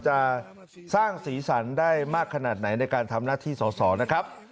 จะสร้างสีสันได้มากขนาดไหนในการทำหน้าที่สอสอนะครับ